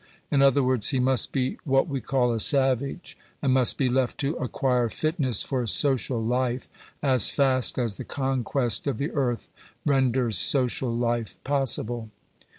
In other words, he must be what we call a savage, and must be left to acquire fitness for social life as fast as the conquest of the earth renders sooial life possible.